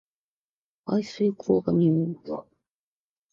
排水溝が臭います